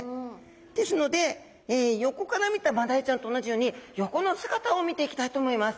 ですので横から見たマダイちゃんと同じように横の姿を見ていきたいと思います。